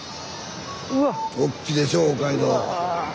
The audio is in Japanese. おっきいでしょう大街道。